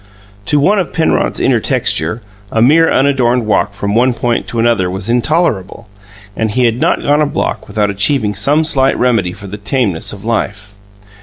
To one of Penrod's inner texture, a mere unadorned walk from one point to another was intolerable, and he had not gone a block without achieving some slight remedy for the tameness of life.